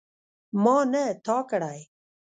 ما نه تا کړی.